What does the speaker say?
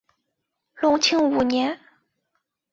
隆庆五年。